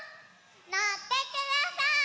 のってください！